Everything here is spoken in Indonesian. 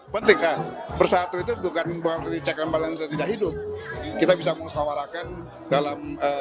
pentingkan bersatu itu bukan membangun cek rempalan yang tidak hidup kita bisa mengusahawarkan dalam